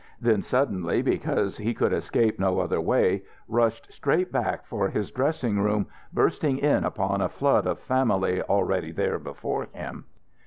Then suddenly, because he could escape no other way, rushed straight back for his dressing room, bursting in upon a flood of family already there before him.